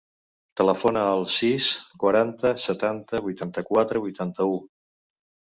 Telefona al sis, quaranta, setanta, vuitanta-quatre, vuitanta-u.